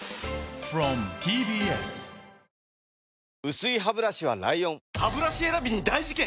薄いハブラシは ＬＩＯＮハブラシ選びに大事件！